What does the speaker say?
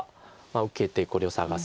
受けてこれを探すか。